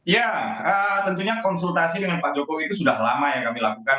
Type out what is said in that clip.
ya tentunya konsultasi dengan pak jokowi itu sudah lama yang kami lakukan